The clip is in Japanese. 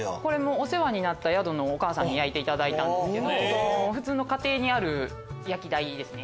お世話になった宿のお母さんに焼いていただいたんですけど普通の家庭にある焼き台ですね。